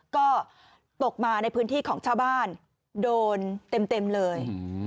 ก็ตกมาในพื้นที่ของชาวบ้านโดนเต็มเลย